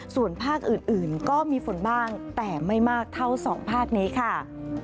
ส่วนภาคอื่นก็มีฝนบ้างแต่ไม่มากเท่าสองภาคนี้ค่ะ